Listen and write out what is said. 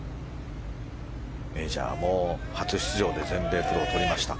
メジャーも初出場で全米プロを取りました。